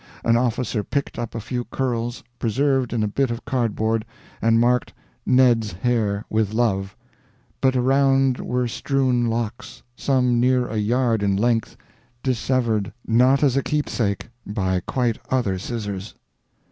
An officer picked up a few curls, preserved in a bit of cardboard, and marked 'Ned's hair, with love'; but around were strewn locks, some near a yard in length, dissevered, not as a keepsake, by quite other scissors."